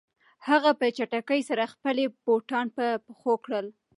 هغه په چټکۍ سره خپلې بوټان په پښو کړل.